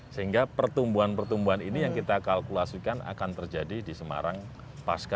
sehingga pertumbuhan pertumbuhan ini yang kita kalkulasikan akan terjadi di semarang pasca dua ribu delapan belas